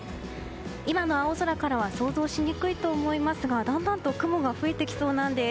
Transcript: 今の青空からは想像しにくいと思いますがだんだんと雲が増えてきそうなんです。